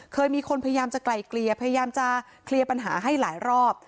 เคยมีคนพยายามจะไกลเกลี่ยพยายามจะเคลียร์ปัญหาให้หลายรอบ